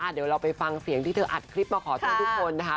เดี๋ยวเราไปฟังเสียงที่เธออัดคลิปมาขอโทษทุกคนนะคะ